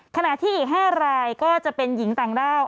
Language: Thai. ขณะที่อีก๕รายก็จะเป็นหญิงต่างด้าว